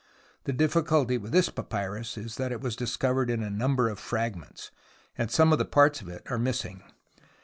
The difficulty with this papyrus is that it was discovered in a number of fragments, and some parts of it are missing.